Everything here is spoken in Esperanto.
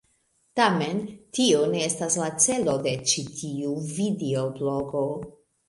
Tamen, tio ne estas la celo de ĉi tiu videoblogo.